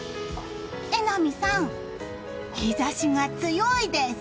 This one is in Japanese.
榎並さん、日差しが強いです！